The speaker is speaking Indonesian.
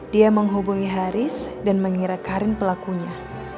dia menghubungi haris dan mengira karin pelakunya